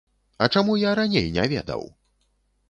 А чаму я раней не ведаў?